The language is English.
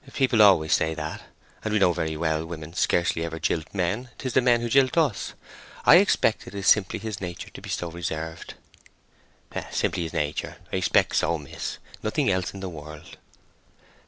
"People always say that—and we know very well women scarcely ever jilt men; 'tis the men who jilt us. I expect it is simply his nature to be so reserved." "Simply his nature—I expect so, miss—nothing else in the world."